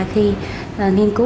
khi nghiên cứu